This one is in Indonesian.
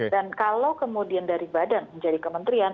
dan kalau kemudian dari badan menjadi kementerian